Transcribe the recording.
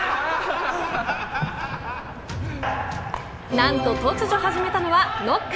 何と突如始めたのはノック。